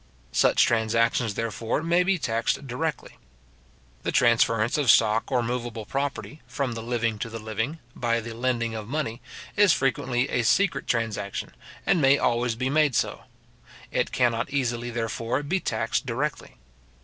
Such transactions, therefore, may be taxed directly. The transference of stock or moveable property, from the living to the living, by the lending of money, is frequently a secret transaction, and may always be made so. It cannot easily, therefore, be taxed directly.